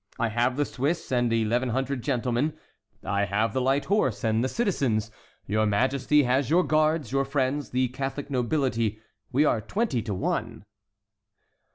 I have the Swiss and eleven hundred gentlemen; I have the light horse and the citizens; your Majesty has your guards, your friends, the Catholic nobility. We are twenty to one."